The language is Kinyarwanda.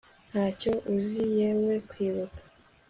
Ntacyo uzi yewe kwibuka